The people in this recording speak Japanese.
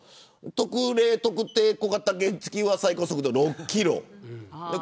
特例特定小型原付は最高速度６キロ。